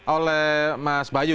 oleh mas bayu